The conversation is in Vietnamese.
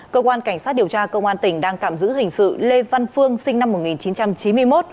cơ quan cảnh sát điều tra công an tỉnh đang tạm giữ hình sự lê văn phương sinh năm một nghìn chín trăm chín mươi một